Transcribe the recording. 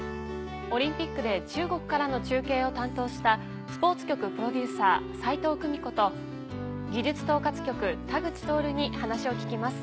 オリンピックで中国からの中継を担当したスポーツ局プロデューサー齋藤久美子と技術統括局田口徹に話を聞きます。